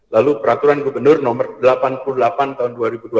lalu peraturan gubernur nomor delapan puluh delapan tahun dua ribu dua puluh